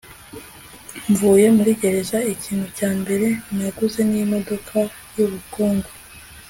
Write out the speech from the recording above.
mvuye muri gereza, ikintu cya mbere naguze ni imodoka yubukungu